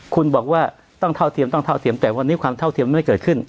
คุณบอกว่าต้องเท่าเตรียมแต่วันนี้ความเท่าเตรียมไม่เกิดขึ้น